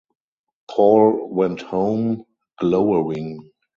Paul went home, glowering.